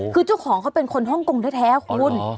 คือเจ้าของเขาเป็นคนฮ่องกงแท้คุณ